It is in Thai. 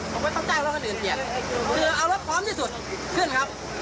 ผมก็ต้องจ้างรถคนอื่นเบียดคือเอารถพร้อมที่สุดขึ้นครับ